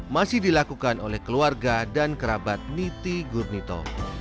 masih dilakukan oleh keluarga dan kerabat niti gurnito